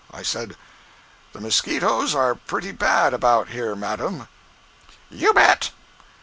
I said: "The mosquitoes are pretty bad, about here, madam." "You bet!"